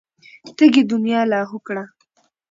تږې دنيا لاهو کړه.